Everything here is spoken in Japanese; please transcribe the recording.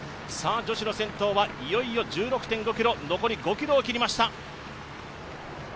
女子の先頭はいよいよ１６．５ｋｍ、残り５ｋｍを切りました。